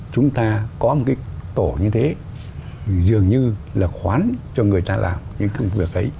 chúng ta có một cái tổ như thế dường như là khoán cho người ta làm những công việc ấy